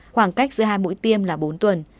khoảng cách giữa hai mũi tiêm là bốn tuần